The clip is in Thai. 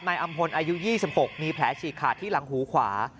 นายอำพลอายุ๒๖มีแผลฉีกขาดที่หลังหูขวา